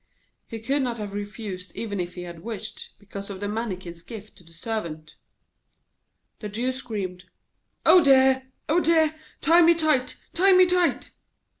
He could not have refused even if he had wished, because of the Mannikin's gift to the Servant. The Jew screamed, 'Oh dear! Oh dear! Tie me tight, tie me tight!'